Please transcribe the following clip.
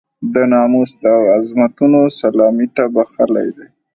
د ناموس د عظمتونو سلامي ته بخښلی دی.